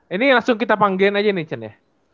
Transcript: ini langsung kita panggilin aja nih chan ya